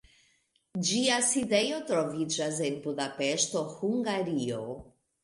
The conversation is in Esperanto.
Ĝia sidejo troviĝas en Budapeŝto, Hungario.